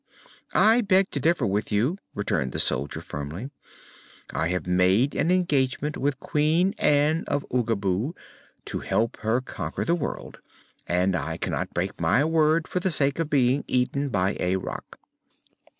"I beg to differ with you," returned the soldier firmly. "I have made an engagement with Queen Ann of Oogaboo to help her conquer the world, and I cannot break my word for the sake of being eaten by a Rak."